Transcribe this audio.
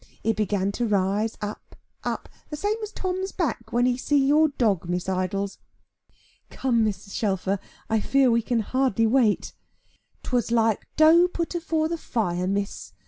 It began to rise up, up, the same as Tom's back, when he see your dog, Miss Idols." "Come, Mrs. Shelfer, I fear we can hardly wait." "'Twas like dough put afore the fire, Miss.